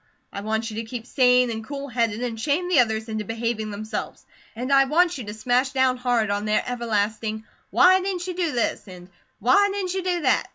I want you to keep sane and cool headed and shame the others into behaving themselves. And I want you to smash down hard on their everlasting, 'why didn't you do this?' and 'why didn't you do that?'